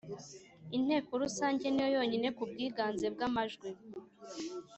Inteko Rusange ni yo yonyine ku bwiganze bw’amajwi